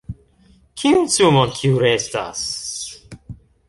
Kiun sumon kiu restas??